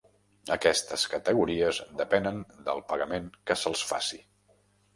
Aquestes categories depenen del pagament que se'ls faci.